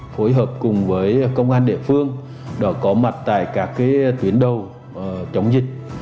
phối hợp cùng với công an địa phương đã có mặt tại các tuyến đầu chống dịch